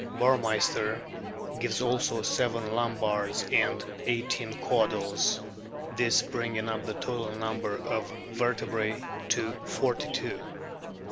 Burmeister gives also seven lumbars and eighteen caudals, this bringing up the total number of vertebrae to forty two.